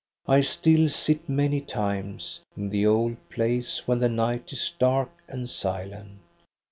I still sit many times In the old place, when the night is dark and silent.